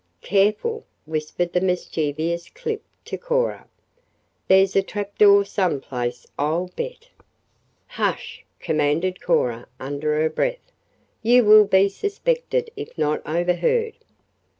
"Careful," whispered the mischievous Clip to Cora. "There's a trap door some place, I'll bet." "Hush!" commanded Cora under her breath. "You will be suspected if not overheard."